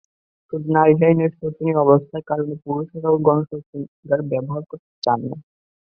শুধু নারীরাই নয়, শোচনীয় অবস্থার কারণে পুরুষেরাও গণশৌচাগার ব্যবহার করতে চান না।